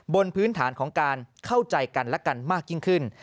บนพื้นฐานของการเข้าใจกันและกันมากยิ่งขึ้น